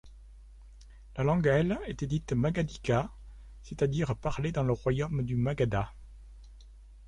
La langue, elle, était dite mâgadhikâ, c'est-à-dire parlée dans le royaume du Magadha.